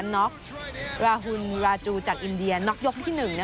น็อกราหุ่นราจูจากอินเดียน็อกยกที่๑